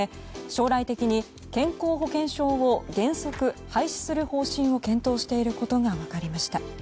将来的に健康保険証を原則廃止する方針を検討していることが分かりました。